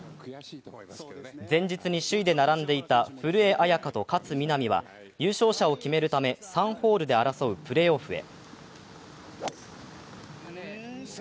前日に首位で並んでいた古江彩佳と勝みなみは優勝者を決めるため３ホールで争うプレーオフへ。